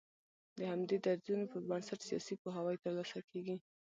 د همدې درځونو پر بنسټ سياسي پوهاوی تر لاسه کېږي